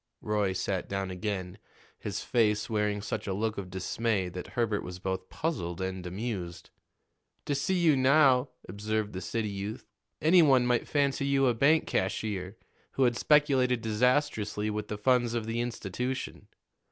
Roy sat down again, his face wearing such a look of dismay that Herbert was both puzzled and amused. "To see you now," observed the city youth, "any one might fancy you a bank cashier who had speculated disastrously with the funds of the institution.